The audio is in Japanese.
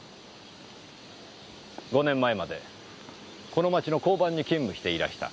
５年前までこの町の交番に勤務していらした。